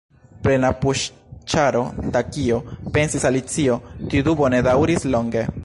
"Plena puŝĉaro da kio?" pensis Alicio. Tiu dubo ne daŭris longe.